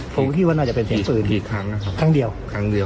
ผมก็คิดว่าน่าจะเป็นเสียงปืนกี่ครั้งนะครับครั้งเดียวครั้งเดียว